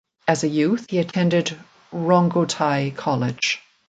As a youth he attended Rongotai College.